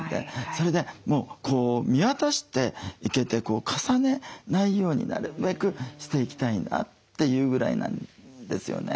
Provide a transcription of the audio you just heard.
それで見渡していけて重ねないようになるべくしていきたいなというぐらいなんですよね。